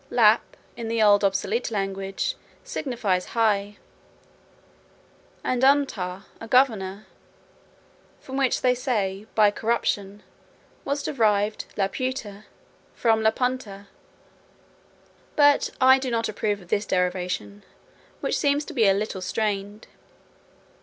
Lap, in the old obsolete language, signifies high; and untuh, a governor; from which they say, by corruption, was derived Laputa, from Lapuntuh. But I do not approve of this derivation, which seems to be a little strained.